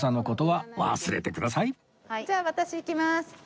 じゃあ私いきまーす。